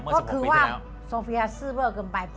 ก็คือว่าโซเฟียศึกเวาะเกินไป